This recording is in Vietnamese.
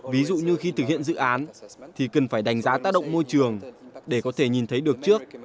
ví dụ như khi thực hiện dự án thì cần phải đánh giá tác động môi trường để có thể nhìn thấy được trước